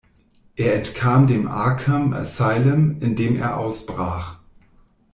Er entkam dem Arkham Asylum, indem er ausbrach.